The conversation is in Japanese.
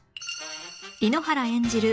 井ノ原演じる